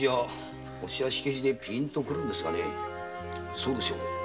そうでしょ。